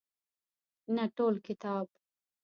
نه ټول کتاب.